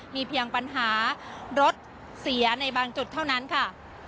มีเพียงปัญหารถเสียในบางจุดเท่านั้นค่ะ